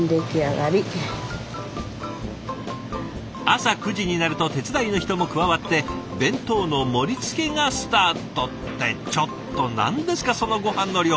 朝９時になると手伝いの人も加わって弁当の盛りつけがスタート。ってちょっと何ですかそのごはんの量。